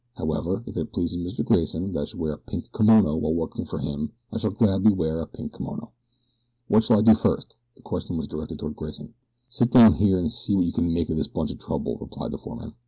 However if it pleases Mr. Grayson that I should wear a pink kimono while working for him I shall gladly wear a pink kimono. What shall I do first, sir?" The question was directed toward Grayson. "Sit down here an' see what you ken make of this bunch of trouble," replied the foreman.